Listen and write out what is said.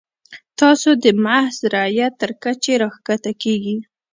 تاسو د محض رعیت تر کچې راښکته کیږئ.